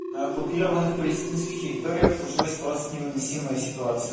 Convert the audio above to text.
На оккупированных палестинских территориях сложилась просто невыносимая ситуация.